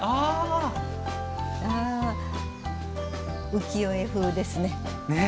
浮世絵風ですね。